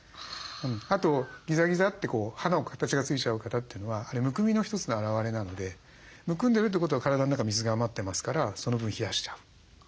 あとギザギザって歯の形がついちゃう方というのはあれむくみの一つの表れなのでむくんでるってことは体の中水が余ってますからその分冷やしちゃう。